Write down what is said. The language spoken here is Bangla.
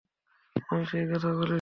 আমি সেই কথা বলিনি।